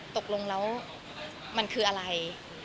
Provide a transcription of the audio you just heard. ตกลงแล้วมันคืออะไร